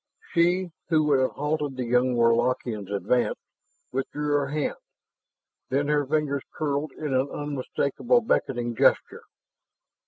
She who would have halted the young Warlockian's advance, withdrew her hand. Then her fingers curled in an unmistakable beckoning gesture.